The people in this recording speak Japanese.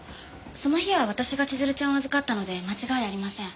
その日は私が千鶴ちゃんを預かったので間違いありません。